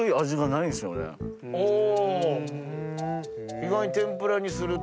意外に天ぷらにすると。